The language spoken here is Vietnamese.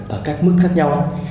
ở các mức khác nhau